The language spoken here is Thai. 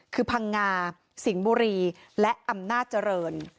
คือพังงาสิงห์บุรีและอำนาจเจริญ